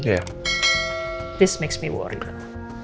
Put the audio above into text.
ini membuatku khawatir